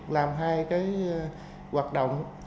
làm hai hoạt động